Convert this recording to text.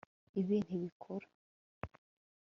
ibi ntibikora